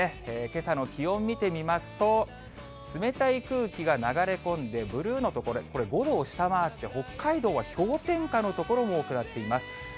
けさの気温見てみますと、冷たい空気が流れ込んで、ブルーの所、これ５度を下回って、北海道は氷点下の所も多くなっています。